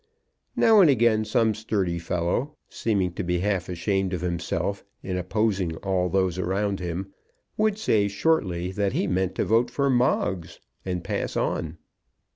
Now and again some sturdy fellow, seeming to be half ashamed of himself in opposing all those around him, would say shortly that he meant to vote for Moggs, and pass on.